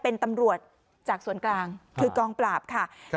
เป็นตำรวจจากส่วนกลางคือกองปราบค่ะ